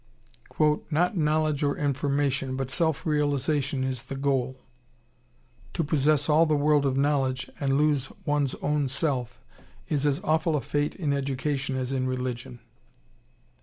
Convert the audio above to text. "Not knowledge or information, but self realization is the goal. To possess all the world of knowledge and lose one's own self is as awful a fate in education as in religion."